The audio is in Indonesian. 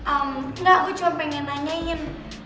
enggak aku cuma pengen nanyain